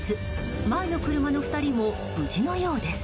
前の車の２人も無事のようです。